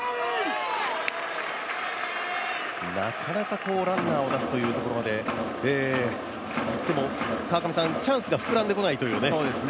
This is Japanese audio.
なかなかランナーを出すというところまで、いってもチャンスが膨らんでこないっていう。